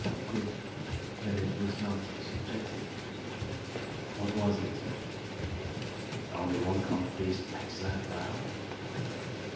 "Good; then it was not subjective. What was it?" "Only one kind of beast makes that row.